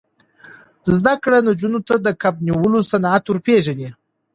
زده کړه نجونو ته د کب نیولو صنعت ور پېژني.